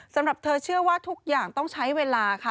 สำหรับเธอเชื่อว่าทุกอย่างต้องใช้เวลาค่ะ